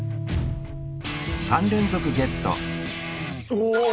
お！